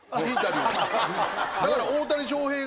だから大谷翔平が。